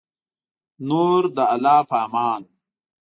نور د الله په امان